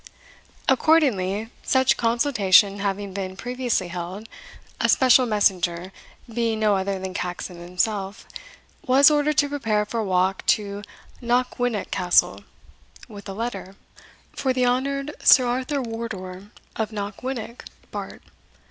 Accordingly, such consultation having been previously held, a special messenger, being no other than Caxon himself, was ordered to prepare for a walk to Knockwinnock Castle with a letter, "For the honoured Sir Arthur Wardour, of Knockwinnock, Bart."